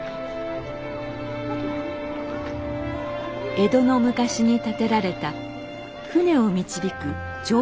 江戸の昔に建てられた船を導く常夜燈。